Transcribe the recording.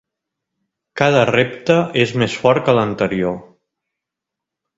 Cada repte és més fort que l'anterior.